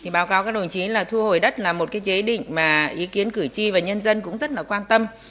báo cáo các đồng chí là thu hồi đất là một chế định mà ý kiến cử tri và nhân dân cũng rất là quan tâm